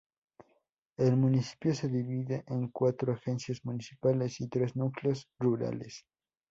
El municipio se divide en cuatro agencias municipales y tres núcleos rurales.